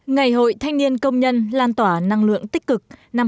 ngày hội thanh niên công nhân lan tỏa năng lượng tích cực